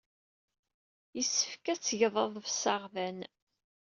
Yessefk ad tgeḍ aḍefs aɣdan.